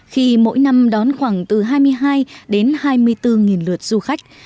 khi mỗi năm đón khoảng từ hai mươi hai đến hai mươi bốn lượt du khách